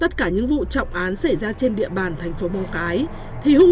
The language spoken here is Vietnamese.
tất cả những vụ trọng án xảy ra trên địa bàn moscow thì hung thủ thường tẩu thoát theo hai hướng